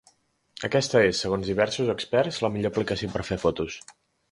Aquesta és, segons diversos experts, la millor aplicació per a fer fotos.